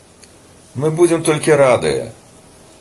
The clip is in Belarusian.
Мы будзе толькі радыя.